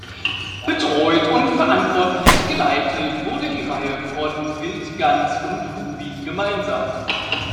Betreut und verantwortlich geleitet wurde die Reihe von Wildgans und Rubin gemeinsam.